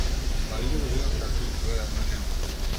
Остави ги да видат како изгледа една жена.